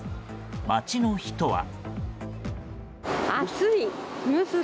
街の人は。